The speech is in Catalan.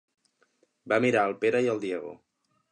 Va mirar el Pere i el Diego.